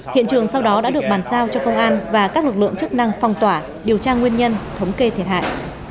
hiện trường sau đó đã được bàn giao cho công an và các lực lượng chức năng phong tỏa điều tra nguyên nhân thống kê thiệt hại